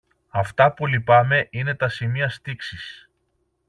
Αυτά που λυπάμαι είναι τα σημεία στίξης